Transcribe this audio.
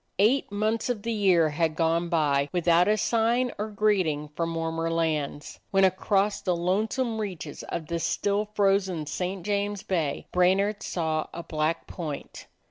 Eight months of the year had gone by with out a sign or greeting from warmer lands, when across the lonesome reaches of the still frozen St. James Bay Brainard saw a black point.